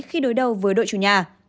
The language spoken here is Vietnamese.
khi đối đầu với đội chủ nhà